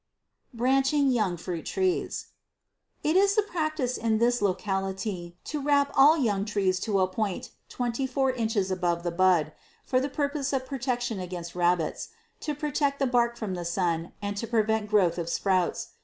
Branching Young Fruit Trees. It is the practice in this locality to wrap all young trees to a point 24 inches above the bud, for the purpose of protection against rabbits, to protect the bark from the sun and to prevent growth of sprouts.